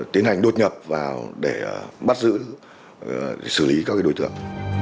tiến hành đột nhập vào để bắt giữ xử lý các đối tượng